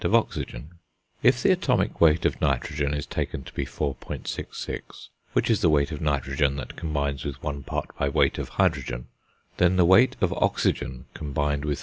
_ of oxygen; if the atomic weight of nitrogen is taken to be 4.66, which is the weight of nitrogen that combines with one part by weight of hydrogen, then the weight of oxygen combined with 4.